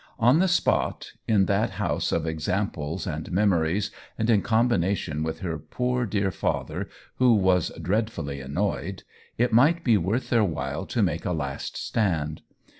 On the spot, in that house of examples and memories, and in combination with her poor dear father, who was " dreadfully an noyed," it might be worth their while to make a last stand.